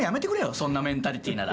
そんなメンタリティーなら。